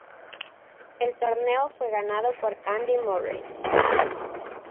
El torneo fue ganado por Andy Murray.